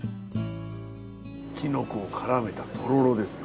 きのこを絡めたとろろですよ。